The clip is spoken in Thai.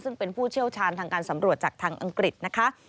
ซึ่งเป็นผู้เชี่ยวชาญทางการสำรวจจากทางอังกฤษนะคะ